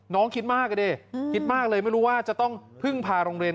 คิดมากอ่ะดิคิดมากเลยไม่รู้ว่าจะต้องพึ่งพาโรงเรียน